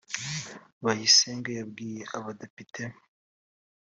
bayisenge yabwiye abadepite